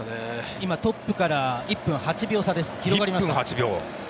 今、トップから１分８秒差です。